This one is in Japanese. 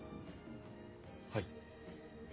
はい。